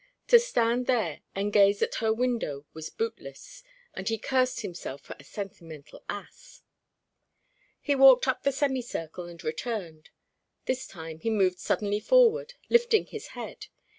To stand there and gaze at her window was bootless; and he cursed himself for a sentimental ass. He walked up the semi circle and returned. This time he moved suddenly forward, lifting his head.